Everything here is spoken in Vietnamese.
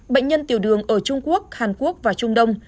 bệnh nhân tiểu đường ở trung quốc hàn quốc và trung đông